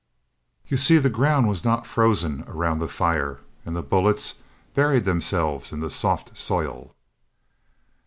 You see the ground was not frozen around the fire, and the bullets buried themselves in the soft soil.